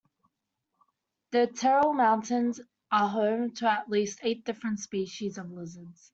The Terril Mountains are home to at least eight different species of lizards.